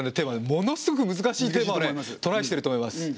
ものすごく難しいテーマをねトライしてると思います。